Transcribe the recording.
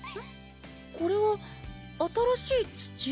これは新しい土？